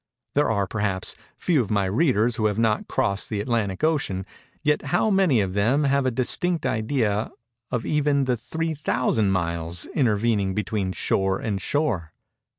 There are, perhaps, few of my readers who have not crossed the Atlantic ocean; yet how many of them have a distinct idea of even the 3,000 miles intervening between shore and shore?